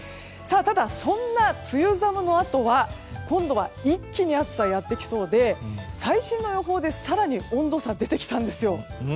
ただ、そんな梅雨寒のあとは今度は一気に暑さがやってきそうで最新の予報で更に温度差が出てきたんですよ。